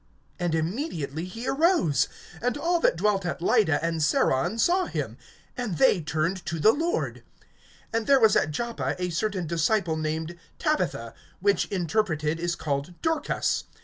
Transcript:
And immediately he arose. (35)And all that dwelt at Lydda and Saron saw him; and they turned to the Lord. (36)And there was at Joppa a certain disciple named Tabitha, which interpreted is called Dorcas.